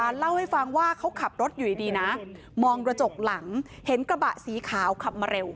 เล่าให้ฟังว่าเขาขับรถอยู่ดีนะมองกระจกหลังเห็นกระบะสีขาวขับมาเร็ว